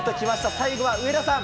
最後は上田さん。